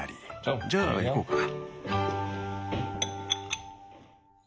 じゃあいこうか！